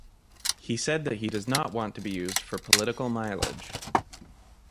He said that he does not want to be used for political mileage.